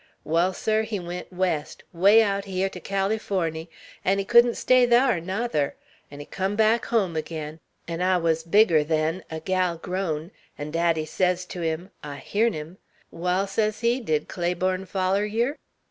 Wall, sir, he went West, way aout hyar to Californy, 'n' he couldn't stay thar nuther, 'n' he came back hum agin; 'n' I wuz bigger then, a gal grown, 'n' daddy sez to him, I heern him, 'Wal,' sez he, 'did Claiborne foller yer?'